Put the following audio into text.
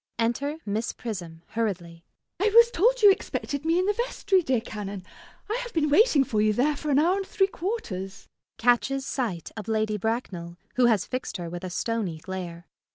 [Enter Miss Prism hurriedly.] MISS PRISM. I was told you expected me in the vestry, dear Canon. I have been waiting for you there for an hour and three quarters. [Catches sight of Lady Bracknell, who has fixed her with a stony glare.